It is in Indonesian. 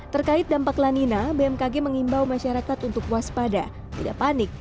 terkait dampak lanina bmkg mengimbau masyarakat untuk waspada tidak panik